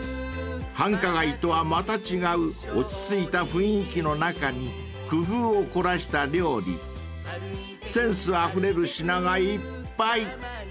［繁華街とはまた違う落ち着いた雰囲気の中に工夫を凝らした料理センスあふれる品がいっぱい］